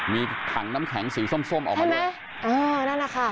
มีถังน้ำแข็งสีส้มส้มออกมาไหมเออนั่นแหละค่ะ